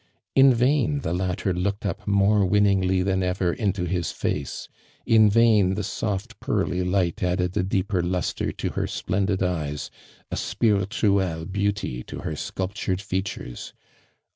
In vain the latter looked up more winningly than ever into his face I In vain the soft pearly light added a deeper lustre to her splendid eyes, a spirituelle beauty to her sculptureil features